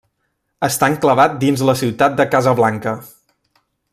Està enclavat dins la ciutat de Casablanca.